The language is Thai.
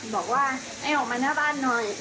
บอกว่าให้ออกมาหน้าบ้านหน่อย